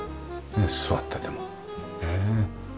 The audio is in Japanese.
座っててもねえ。